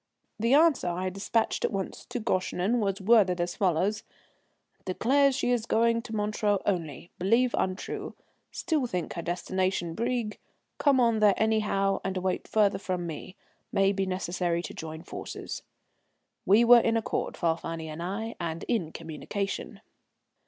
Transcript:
The answer I despatched at once to Goeschenen was worded as follows: "Declares she is going to Montreux only. Believe untrue. Still think her destination Brieg. Come on there anyhow and await further from me. May be necessary to join forces." We were in accord, Falfani and I, and in communication.